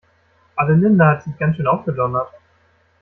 Adelinde hat sich ganz schön aufgedonnert.